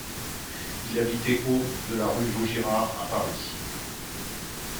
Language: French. Il habitait au de la rue de Vaugirard à Paris.